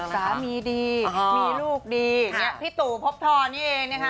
สามีดีมีลูกดีพี่ตู่พบทอนนี่เองนะคะ